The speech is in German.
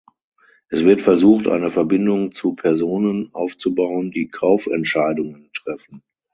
Es wird versucht eine Verbindung zu Personen aufzubauen die Kaufentscheidungen treffen.